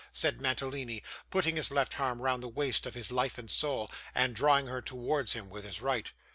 said Mantalini, putting his left arm round the waist of his life and soul, and drawing her towards him with his right.